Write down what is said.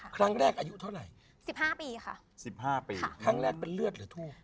ครั้งแรกอายุเท่าไหร่๑๕ปีค่ะสิบห้าปีครั้งแรกเป็นเลือดหรือทูบ